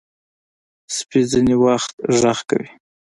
سپي ځینې وخت غږ کوي.